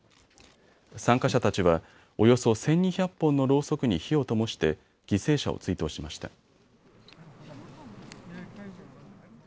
参加者たちはおよそ１２００本のろうそくに火をともして犠牲者を追悼しました。